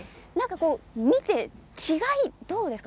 見て違いはどうですか。